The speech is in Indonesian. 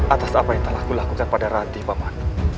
atas apa yang telah kulakukan pada rantih pak man